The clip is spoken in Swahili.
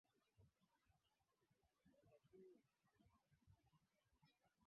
na kusaidia waathiriwa hasa katika maeneo ambayo kuna mapigano